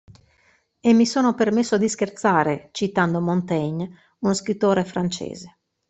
E mi sono permesso di scherzare, citando Montaigne, uno scrittore francese.